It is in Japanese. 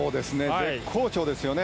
絶好調ですよね。